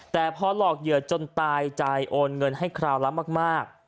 แต่พอหลอกเหยื่อจนตายใจโอนเงินให้คราวละมาก